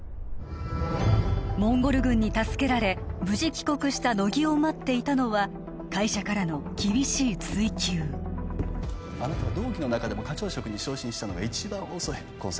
モンゴル軍に助けられ無事帰国した乃木を待っていたのは会社からの厳しい追及あなたは同期の中でも課長職に昇進したのが一番遅いこの先